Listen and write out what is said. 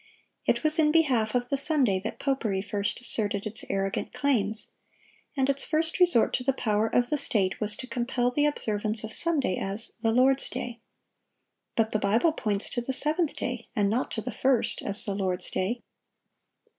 It was in behalf of the Sunday that popery first asserted its arrogant claims;(751) and its first resort to the power of the state was to compel the observance of Sunday as "the Lord's day." But the Bible points to the seventh day, and not to the first, as the Lord's day.